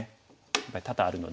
やっぱり多々あるので。